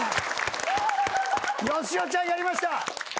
よしおちゃんやりました。